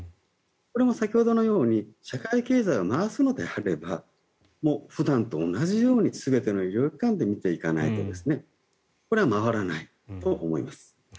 これも先ほどのように社会経済を回すのであればもう普段と同じように全ての医療機関で診ていかないとこれは回らないと思います。